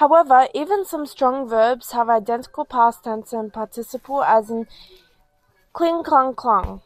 However, even some strong verbs have identical past tense and participle, as in "cling-clung-clung".